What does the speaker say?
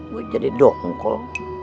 gue jadi doung kok